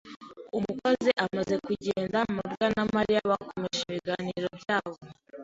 Umukozi amaze kugenda, mabwa na Mariya bakomeje ibiganiro byabo.